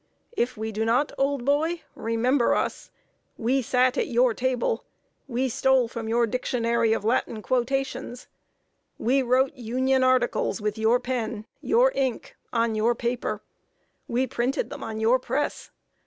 If we do not, old boy, remember us. We sat at your table; we stole from your 'Dictionary of Latin Quotations;' we wrote Union articles with your pen, your ink, on your paper. We printed them on your press.